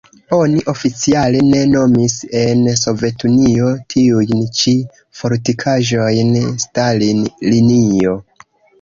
Oni oficiale ne nomis en Sovetunio tiujn ĉi fortikaĵojn Stalin-linio.